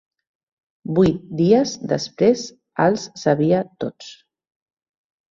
Vuit, dies, després, els, sabia, tots.